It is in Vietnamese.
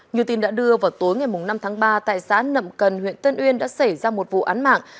như tin đã đưa vào tối ngày năm tháng ba tại xã nậm cần huyện tân uyên đã xảy ra một vụ án mạng